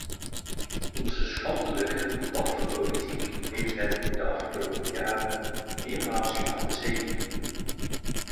Onze schandelijke, laffe politiek heeft hen in de afgelopen jaren meermaals laten zegevieren.